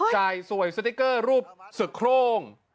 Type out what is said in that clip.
สวยสติ๊กเกอร์รูปศึกโครง